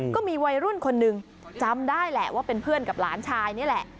ก็มีวัยรุ่นคนหนึ่งจำได้แหละว่าเป็นเพื่อนกับหลานชายนี่แหละ